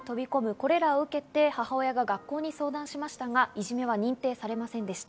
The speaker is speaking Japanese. これらを受けて母親が学校に相談しましたが、いじめは認定されませんでした。